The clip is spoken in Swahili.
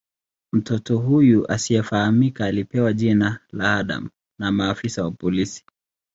Mtoto huyu asiyefahamika alipewa jina la "Adam" na maafisa wa polisi.